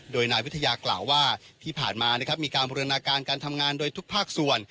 โดยนายวิทยากล่าวว่าที่ผ่านมานะครับมีการบูรณาการการทำงานโดยทุกภาคส่วน